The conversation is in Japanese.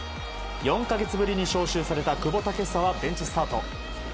４か月ぶりに招集された久保建英はベンチスタート。